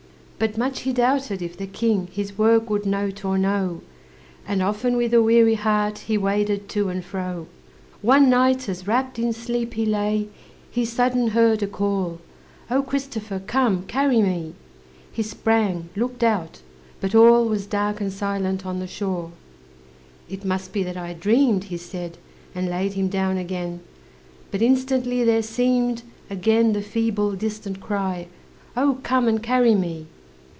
But much he doubted if the King His work would note or know, And often with a weary heart He waded to and fro. One night, as wrapped in sleep he lay, He sudden heard a call, "O Christopher, come, carry me!" He sprang, looked out, but all Was dark and silent on the shore, "It must be that I dreamed," He said, and laid him down again; But instantly there seemed Again the feeble, distant cry, "Oh, come and carry me!"